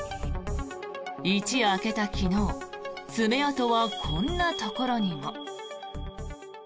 一夜明けた昨日爪痕はこんなところにも。